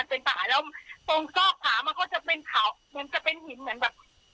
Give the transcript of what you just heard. ตรงซอกขามันก็จะเป็นเผาเหมือนจะเป็นหินเหมือนแบบ